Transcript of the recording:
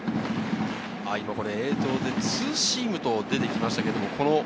映像ではツーシームと出てきました。